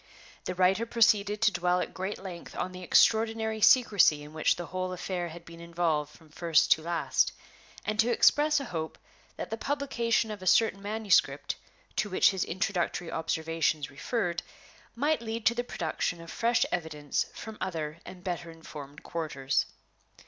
The writer proceeded to dwell at great length on the extraordinary secrecy in which the whole affair had been involved from first to last, and to express a hope that the publication of a certain manuscript, to which his introductory observations referred, might lead to the production of fresh evidence from other and better informed quarters.